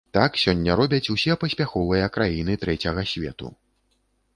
Так сёння робяць усе паспяховыя краіны трэцяга свету.